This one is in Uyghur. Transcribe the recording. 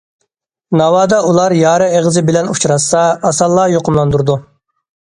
ناۋادا ئۇلار يارا ئېغىزى بىلەن ئۇچراشسا ئاسانلا يۇقۇملاندۇرىدۇ.